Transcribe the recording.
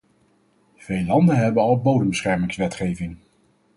Veel landen hebben al bodembeschermingswetgeving.